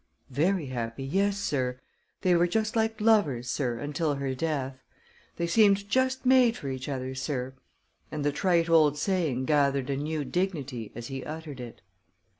"Very happy; yes, sir. They were just like lovers, sir, until her death. They seemed just made for each other, sir," and the trite old saying gathered a new dignity as he uttered it.